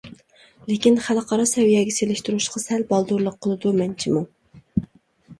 لېكىن خەلقئارا سەۋىيەگە سېلىشتۇرۇشقا سەل بالدۇرلۇق قىلىدۇ مەنچىمۇ.